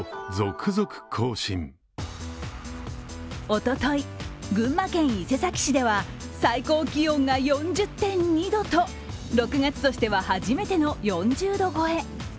おととい、群馬県伊勢崎市では最高気温が４０．２度と６月としては初めての４０度超え。